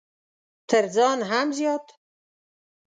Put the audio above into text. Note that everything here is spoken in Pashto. تر ځان هم زيات!